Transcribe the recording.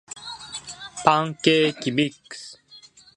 パンケーキミックス